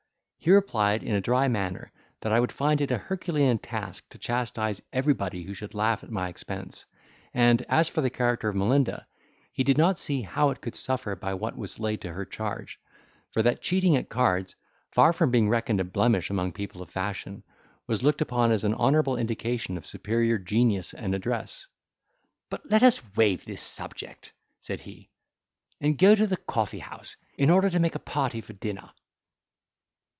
He replied in a dry manner, that I would find it a Herculean task to chastise everybody who should laugh at my expense; and, as for the character of Melinda, he did not see how it could suffer by what was laid to her charge; for that cheating at cards, far from being reckoned a blemish among people of fashion, was looked upon as an honourable indication of superior genius and address. "But let us waive this subject," said he, "and go to the coffee house, in order to make a party for dinner."